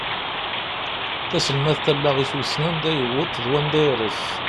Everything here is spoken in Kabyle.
Taselmadt allaɣ-is wissen anda yewweḍ d wanda ires.